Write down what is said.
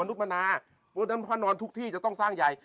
นุมนาเพราะฉะนั้นพระนอนทุกที่จะต้องสร้างใหญ่